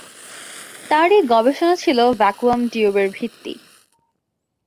তার এই গবেষণা ছিল ভ্যাকুয়াম টিউবের ভিত্তি।